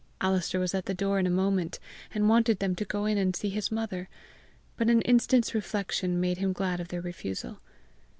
Alister was at the door in a moment, and wanted them to go in and see his mother, but an instant's reflection made him glad of their refusal.